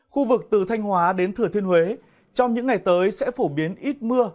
khu vực từ thanh hóa đến thừa thiên huế trong những ngày tới sẽ phổ biến ít mưa